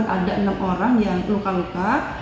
ada enam orang yang luka luka